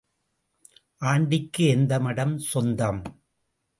ஆண்டிக்கு எந்த மடம் சொந்தம்?